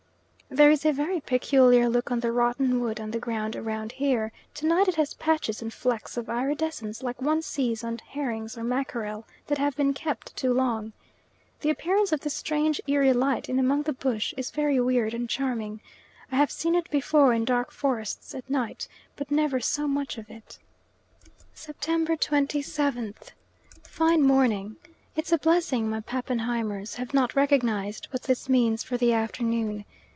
There is a very peculiar look on the rotten wood on the ground round here; to night it has patches and flecks of iridescence like one sees on herrings or mackerel that have been kept too long. The appearance of this strange eerie light in among the bush is very weird and charming. I have seen it before in dark forests at night, but never so much of it. September 27th. Fine morning. It's a blessing my Pappenheimers have not recognised what this means for the afternoon.